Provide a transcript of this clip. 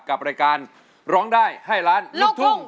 กับรายการร้องได้ให้ล้านลูกทุ่ง